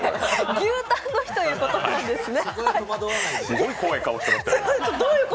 牛タンの日ということなんですね。